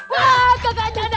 wah kak anjani